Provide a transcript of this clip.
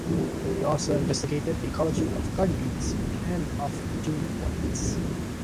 He also investigated the ecology of garden weeds and of dune plants.